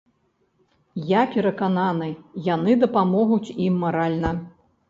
Я перакананы, яны дапамогуць ім маральна.